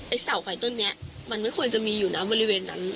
เสาไฟต้นนี้มันไม่ควรจะมีอยู่นะบริเวณนั้น